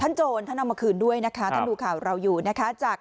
โจรท่านเอามาคืนด้วยนะคะท่านดูข่าวเราอยู่นะคะจาก